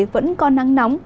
vẫn còn nắng nóng